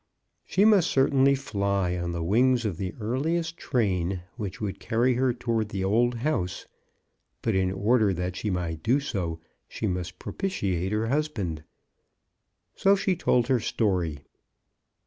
She must cer tainly fly on the wings of the earliest train which would carry her toward the old house ; but in order that she might do so, she must propitiate her husband. So she told her story.